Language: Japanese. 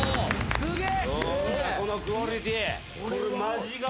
すげえ！